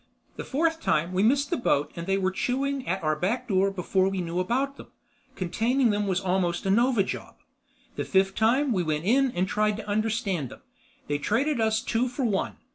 The fourth time we missed the boat and they were chewing at our back door before we knew about them; containing them was almost a nova job. The fifth time we went in and tried to understand them, they traded us two for one.